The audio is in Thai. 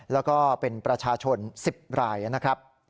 แล้วก็เป็นประชาชน๑๐รายนะครับ